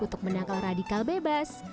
untuk menangkal radikal bebas